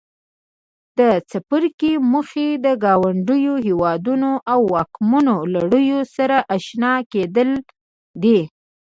د څپرکي موخې د ګاونډیو هېوادونو واکمنو لړیو سره آشنا کېدل دي.